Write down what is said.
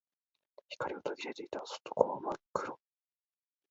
光は途切れていた。底は真っ暗。